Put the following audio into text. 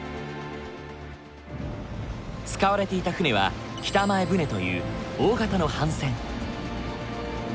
使われていた船は北前船という大型の帆船。